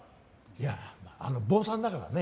いや坊さんだからね